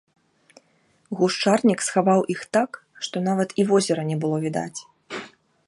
Гушчарнік схаваў іх так, што нават і возера не было відаць.